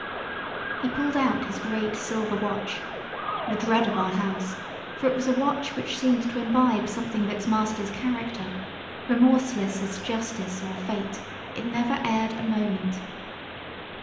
He pulled out his great silver watch the dread of our house, for it was a watch which seemed to imbibe something of its master's character; remorseless as justice or fate, it never erred a moment.